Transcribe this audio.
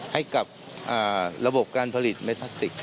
ให้กับระบบการผลิตเมพลาสติก